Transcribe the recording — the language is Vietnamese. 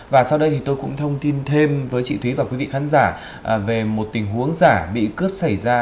và sau đây thì tôi cũng thông tin thêm với chị thúy và quý vị khán giả về một tình huống giả bị cướp xảy ra